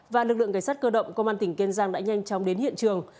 và lực lượng cảnh sát cơ động công an tỉnh kiên giang đã nhanh chóng đến hiện trường